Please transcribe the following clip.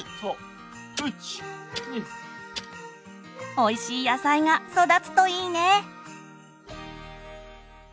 おいしい野菜が育つといいね！